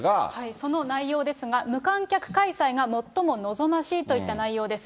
その内容ですが、無観客開催が最も望ましいといった内容です。